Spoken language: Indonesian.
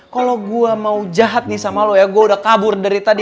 kalau gue mau jahat nih sama lo ya gue udah kabur dari tadi